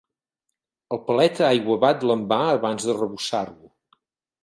El paleta aiguabat l'envà abans d'arrebossar-lo.